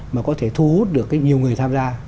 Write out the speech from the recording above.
mà có thể thu hút được nhiều người tham gia